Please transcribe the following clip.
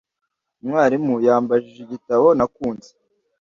Umwarimu yambajije igitabo nakunze.